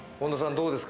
どうですか？